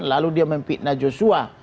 lalu dia memfitnah joshua